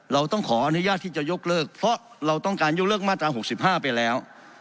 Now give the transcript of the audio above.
เราต้องขออนุญาตที่จะยกเลิกเพราะเราต้องการยกเลิกมาตรา๖๕ไปแล้ว